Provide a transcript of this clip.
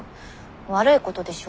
悪いことでしょ？